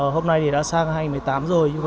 hôm nay thì đã sang hai nghìn một mươi tám rồi